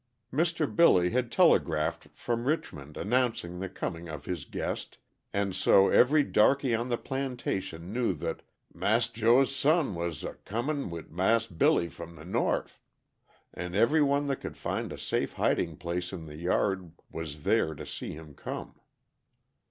Mr. Billy had telegraphed from Richmond announcing the coming of his guest, and so every darkey on the plantation knew that "Mas' Joe's son" was "a comin' wid Mas' Billy from de Norf," and every one that could find a safe hiding place in the yard was there to see him come.